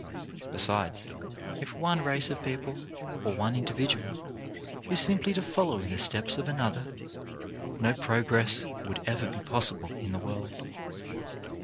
Besides, if one race of people, or one individual, is simply to follow in the steps of an other, no progress would ever be possible in the world.